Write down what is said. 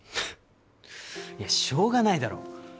いやしょうがないだろ。